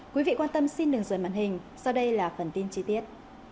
quý vị quan tâm xin đừng rời màn hình sau đây là phần tin chi tiết